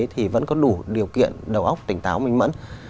thì vẫn có đủ điều kiện đầu óc tỉnh táo minh mẫn